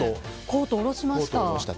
コートおろしました。